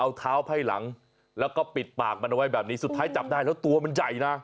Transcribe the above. เอาเท้าไพ่หลังแล้วก็ปิดปากมันเอาไว้แบบนี้สุดท้ายจับได้แล้วตัวมันใหญ่นะ